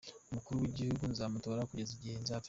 Umukuru w’Igihugu nzamutora kugeza igihe nzapfira.